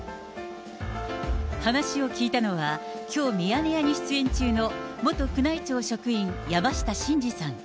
話を聞いたのは、きょう、ミヤネ屋に出演中の元宮内庁職員、山下晋司さん。